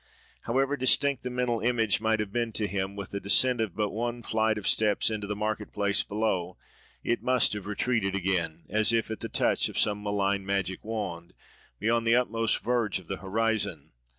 However distinct the mental image might have been to him, with the descent of but one flight of steps into the market place below, it must have retreated again, as if at touch of some malign magic wand, beyond the utmost verge of the horizon.